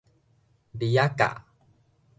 離仔甲